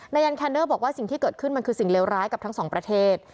ยันแคนเนอร์บอกว่าสิ่งที่เกิดขึ้นมันคือสิ่งเลวร้ายกับทั้งสองประเทศ